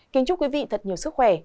kính chúc quý vị thật nhiều sức khỏe